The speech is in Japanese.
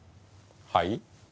はい？